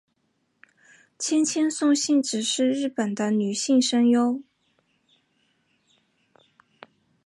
千千松幸子是日本的女性声优。